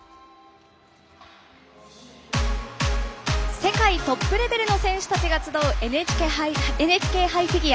世界トップレベルの選手たちが集うＮＨＫ杯フィギュア。